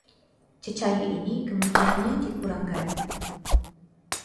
Cecair ini kemudiannya dikurangkan